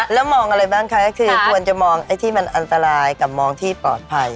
แล้วมองอะไรบ้างคะคือควรจะมองไอ้ที่มันอันตรายกับมองที่ปลอดภัย